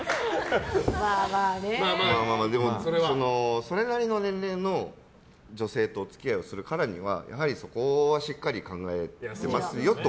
でも、それなりの年齢の女性とお付き合いをするからにはそこはしっかり考えてますよと。